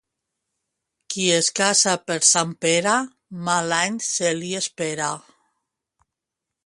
Qui es casa per Sant Pere mal any se li espera.